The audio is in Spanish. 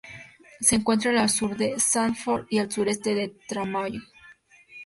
Se encuentra al sur de Sanford, y el sureste de Tramway.